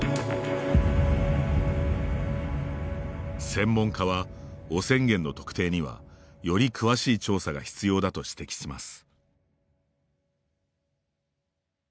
専門家は、汚染源の特定にはより詳しい調査が必要だと指摘します。